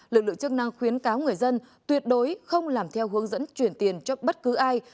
lực lượng chức năng khuyến cáo người dân tuyệt đối không làm theo hướng dẫn chuyển tiền cho bất cứ ai